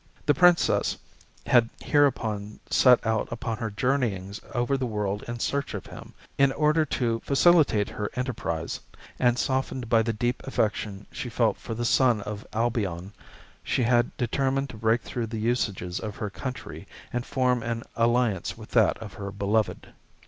The Princess had hereupon set out upon her journeyings over the world in search of him. In order to facilitate her enterprise, and softened by the deep affection she felt for the son of Albion, she had determined to break through the usages of her country, and form an alliance with that of her beloved.